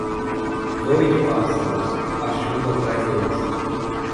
Voe de pássaros, a chuva atrás deles.